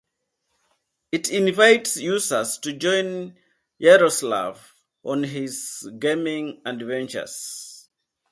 It invites users to join Yaroslav on his gaming adventures.